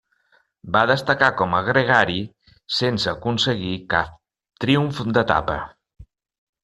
Va destacar com a gregari sense aconseguir cap triomf d'etapa.